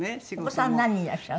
お子さん何人いらっしゃる？